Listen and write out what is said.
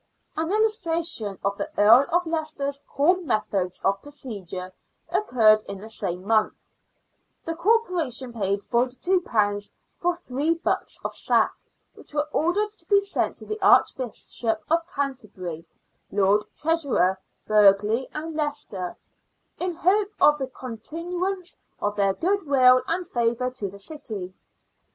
An illustration of the Earl of Leicester's cool methods of procedure occured in the same month. The Corporation paid £42 for three butts of sack, which were ordered to be sent to the Archbishop of Canterbury, Lord Treasurer 88 SIXTEENTH CENTURY BRISTOL. Burgh] ey and Leicester, " in hope of the continuance of their goodwill and favour to the city."